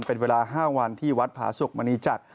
เป็นเวลา๕วันที่วัดผาสุกมณีจักร